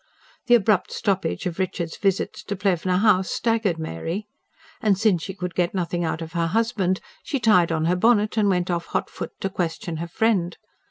The abrupt stoppage of Richard's visits to Plevna House staggered Mary. And since she could get nothing out of her husband, she tied on her bonnet and went off hotfoot to question her friend.